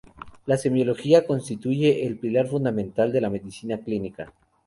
La semiología constituye el pilar fundamental de la medicina clínica.